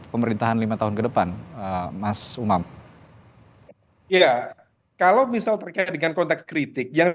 pemerintahan lima tahun ke depan mas umam ya kalau misal terkait dengan konteks kritik yang